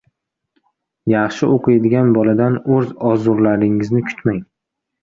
Yaxshi oʻqiydigan boladan oʻz orzularingizni kutmang.